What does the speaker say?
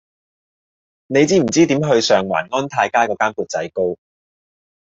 你知唔知點去上環安泰街嗰間缽仔糕